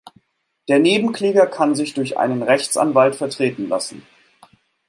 Der Nebenkläger kann sich durch einen Rechtsanwalt vertreten lassen.